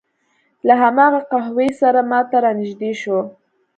له هماغه قهره سره ما ته را نږدې شو.